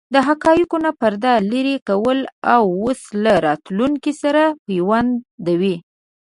د حقایقو نه پرده لرې کوي او اوس له راتلونکې سره پیوندوي.